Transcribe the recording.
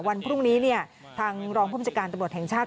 วันพรุ่งนี้ทางรองผู้บัญชาการตำรวจแห่งชาติ